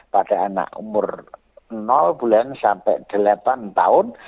pada anak umur bulan sampai delapan tahun